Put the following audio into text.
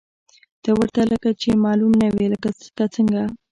ته ورته لکه چې معلوم نه وې، که څنګه؟